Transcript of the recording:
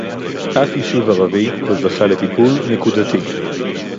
אף יישוב ערבי לא זכה לטיפול נקודתי